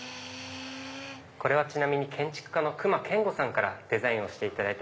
これはちなみに建築家の隈研吾さんにデザインをしていただいた絨毯。